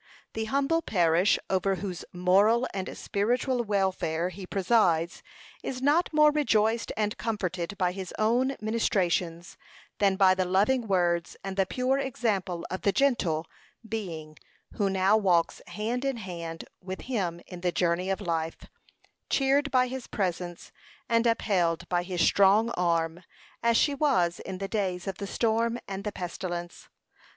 The humble parish over whose moral and spiritual welfare he presides is not more rejoiced and comforted by his own ministrations than by the loving words and the pure example of the gentle being who now walks hand in hand with him in the journey of life, cheered by his presence and upheld by his strong arm, as she was in the days of the storm and the pestilence.